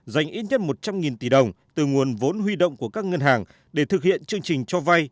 dành ít nhất một trăm linh tỷ đồng từ nguồn vốn huy động của các ngân hàng để thực hiện chương trình cho vay